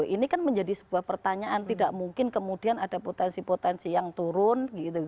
ini kan menjadi sebuah pertanyaan tidak mungkin kemudian ada potensi potensi yang turun